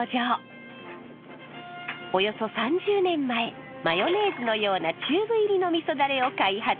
およそ３０年前マヨネーズのようなチューブ入りのみそダレを開発。